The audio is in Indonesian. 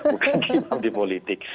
bukan imam di politik